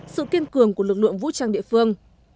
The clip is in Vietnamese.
sự kiên cường của lực lượng vũ trang địa phương